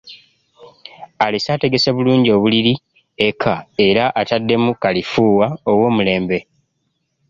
Alese ategese bulungi obuliri eka era ateddemu kalifuuwa ow'omulembe.